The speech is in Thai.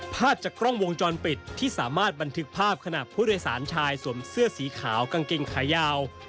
ภาพจากกล้องวงจรปิดที่สามารถบันทึกภาพขณะผู้โดยสารชายสวมเสื้อสีขาวกางเกงขายาว